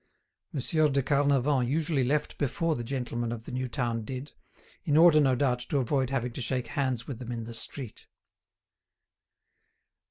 Monsieur de Carnavant usually left before the gentlemen of the new town did, in order no doubt to avoid having to shake hands with them in the street.